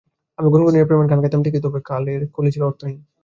আমি গুনগুনিয়ে প্রেমের গান গাইতাম ঠিকই, তবে গানের কলি ছিল অর্থহীন।